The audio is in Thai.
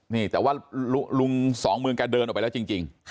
นี่แต่ว่าลุงสองเมืองแกเดินออกไปแล้วจริง